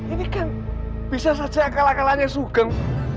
ini kan bisa saja kalah kalahnya sugong